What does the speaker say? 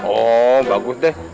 oh bagus deh